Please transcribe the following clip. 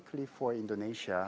khusus untuk indonesia